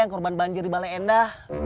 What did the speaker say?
yang korban banjir di balai endah